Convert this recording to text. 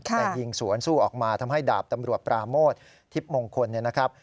แต่ยิงสวนสู้ออกมาทำให้ดาบตำรวจปราโมททิพย์มงคลเนี่ยนะครับ